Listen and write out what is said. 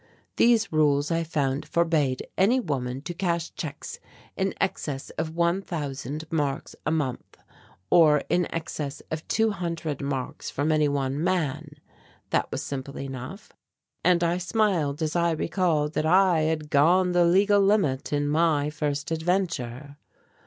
These rules I found forbade any woman to cash checks in excess of one thousand marks a month, or in excess of two hundred marks from any one man. That was simple enough, and I smiled as I recalled that I had gone the legal limit in my first adventure.